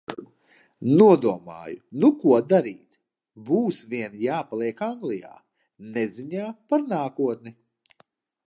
Nodomāju: nu ko darīt, būs vien jāpaliek Anglijā neziņā par nākotni.